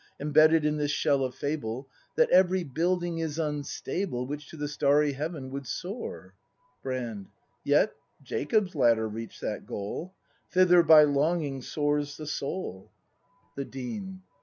Embedded in this shell of fable; — That every building is unstable Which to the starry heaven would soar! Brand. Yet, Jacob's ladder reach 'd that goal. Thither by longing soars the Soul. 242 BRAND [act v The Dean.